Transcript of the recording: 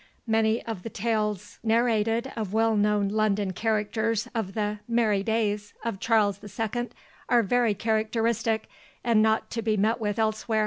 Many of the tales narrated of well known London characters of the "merry days" of Charles the Second are very characteristic, and are not to be met with elsewhere.